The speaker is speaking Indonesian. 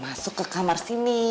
masuk ke kamar sini